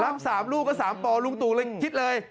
รับสามลูกก็สามปอลุงตูเลยคิดเลย